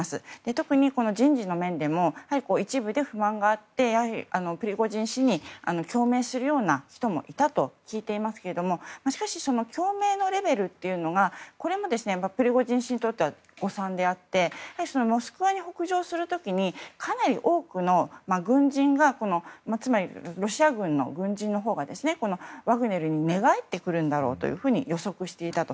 特に人事の面でも一部で不満があってプリゴジン氏に共鳴するような人もいたと聞いていますけどもしかし、共鳴のレベルというのがこれもプリゴジン氏にとっては誤算であってモスクワに北上する時かなり多くの軍人がつまりロシア軍の軍人のほうがワグネルに寝返ってくるんだろうと予測していたと。